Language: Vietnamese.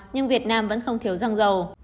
nhưng việt nam vẫn không thiếu răng dầu